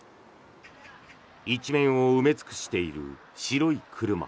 一面を埋め尽くしている白い車。